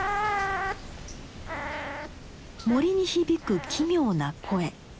森に響く奇妙な声。